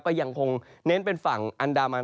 ก็ยังคงเน้นเป็นฝั่งอันดามัน